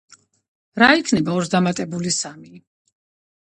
რა იქნება ორს დამატებული სამი?